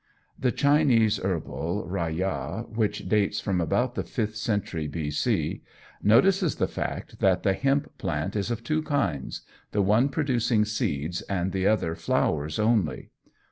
The Chinese herbal, Rh ya, which dates from about the fifth century, B.C., notices the fact that the hemp plant is of two kinds, the one producing seeds and the other flowers only.